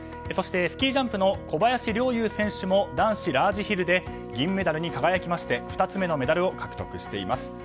そして、スキージャンプの小林陵侑選手も男子ラージヒルで銀メダルに輝きまして２つ目のメダルを獲得しています。